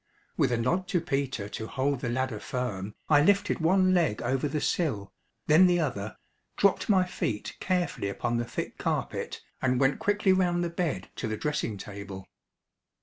With a nod to Peter to hold the ladder firm I lifted one leg over the sill, then the other, dropped my feet carefully upon the thick carpet and went quickly round the bed to the dressing table.